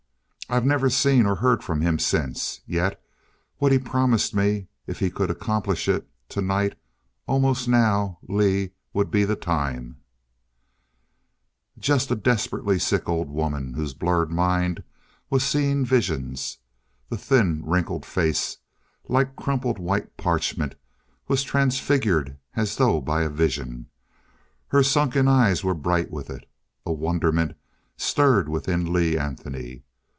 I've never seen or heard from him since. Yet what he promised me if he could accomplish it tonight almost now, Lee, would be the time "Just a desperately sick old woman whose blurred mind was seeing visions. The thin wrinkled face, like crumpled white parchment, was transfigured as though by a vision. Her sunken eyes were bright with it. A wonderment stirred within Lee Anthony.